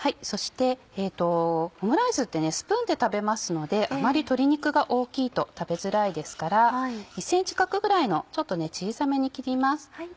そしてオムライスってスプーンで食べますのであまり鶏肉が大きいと食べづらいですから１ｃｍ角ぐらいのちょっと小さめに切ります。